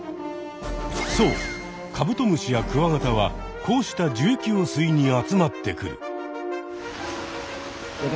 そうカブトムシやクワガタはこうした樹液を吸いに集まってくる。